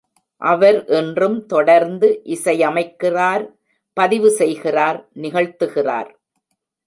அவர் இன்றும் தொடர்ந்து இசையமைக்கிறார், பதிவு செய்கிறார், நிகழ்த்துகிறார்.